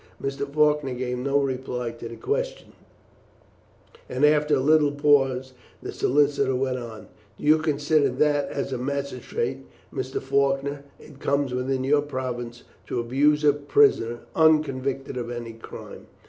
Mr. Faulkner gave no reply to the question, and after a little pause the solicitor went on: "Do you consider that, as a magistrate, Mr. Faulkner, it comes within your province to abuse a prisoner unconvicted of any crime?"